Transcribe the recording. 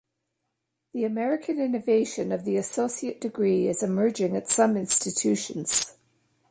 The American innovation of the associate degree is emerging at some institutions.